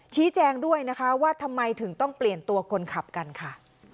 ชี้แจงด้วยนะคะว่าทำไมถึงต้องเปลี่ยนตัวคนขับกันค่ะ